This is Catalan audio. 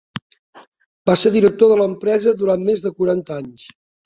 Va ser director de l'empresa durant més de quaranta anys.